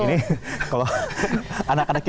ini kalau anak anaknya